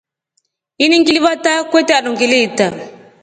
Ini ngilivatra kwetre andu ngiliitra.